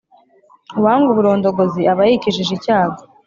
uwanga uburondogozi aba yikijije icyago.